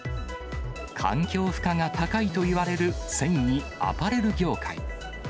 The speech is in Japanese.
環境負荷が高いといわれる繊維、アパレル業界。